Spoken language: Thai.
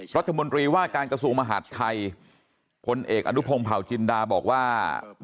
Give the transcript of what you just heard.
รัฐมนตรีว่าการกระทรวงมหาดไทยพลเอกอนุพงศ์เผาจินดาบอกว่า